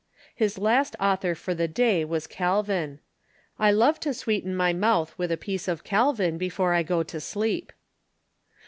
His last author for the day was Calvin. "I love to sweeten my mouth with a piece of Calvin before I go to sleep."